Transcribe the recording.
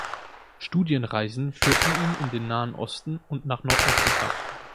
Studienreisen führten ihn in den Nahen Osten und nach Nordafrika.